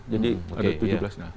jadi ada tujuh belas